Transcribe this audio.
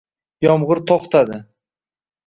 Yomg'ir to'xtadi